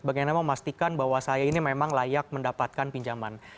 bagaimana memastikan bahwa saya ini memang layak mendapatkan pinjaman